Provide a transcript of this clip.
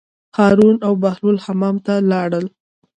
هارون او بهلول حمام ته لاړل.